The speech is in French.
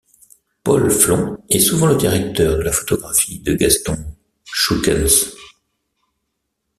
Paul Flon est souvent le directeur de la photographie de Gaston Schoukens.